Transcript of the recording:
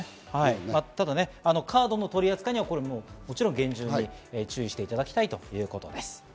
ただカードの取り扱いには、もちろん厳重に注意していただきたいということです。